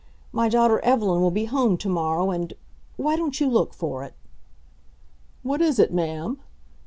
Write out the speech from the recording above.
My daughter Evelyn will be home to morrow and why don't you look for it?" "What is it, ma'am?"